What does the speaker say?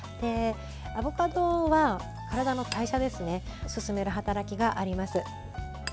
アボカドは、体の代謝を進める働きがあります。